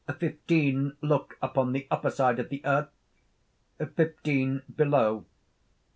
Fifteen look upon the upper side of the earth; fifteen below.